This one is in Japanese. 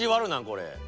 これ！